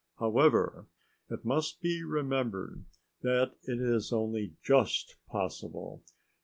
However, it must be remembered that it is only just possible.